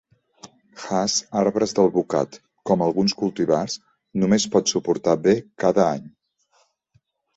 Hass arbres d'alvocat, com alguns cultivars, només pot suportar bé cada any.